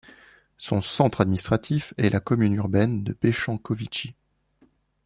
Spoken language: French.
Son centre administratif est la commune urbaine de Bechankovitchy.